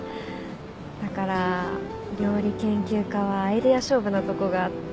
だから料理研究家はアイデア勝負なとこがあって。